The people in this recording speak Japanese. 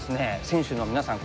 選手のみなさん